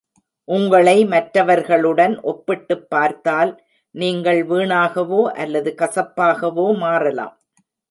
உங்களை மற்றவர்களுடன் ஒப்பிட்டுப் பார்த்தால், நீங்கள் வீணாகவோ அல்லது கசப்பாகவோ மாறலாம்